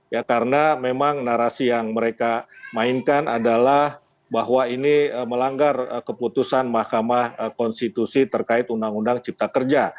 ya karena memang narasi yang mereka mainkan adalah bahwa ini melanggar keputusan mahkamah konstitusi terkait undang undang cipta kerja